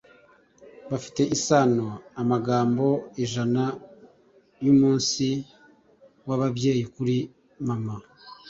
Bifitanye isano: Amagambo ijana y'umunsi w'ababyeyi kuri mama